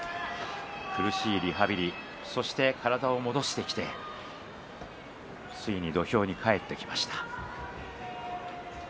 苦しいリハビリで体を戻してきてついに土俵に帰ってきました。